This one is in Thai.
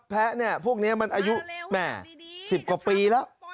แพ้เนี่ยพวกนี้มันอายุ๑๐กว่าปีแล้ว